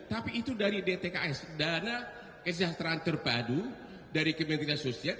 tapi itu dari dtks dana kesejahteraan terpadu dari kementerian sosial